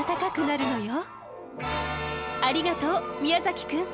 ありがとう宮崎くん。